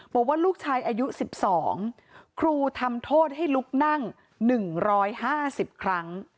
บอกว่าลูกชายอายุสิบสองครูทำโทษให้ลุกนั่งหนึ่งร้อยห้าสิบครั้ง